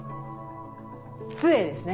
杖ですね。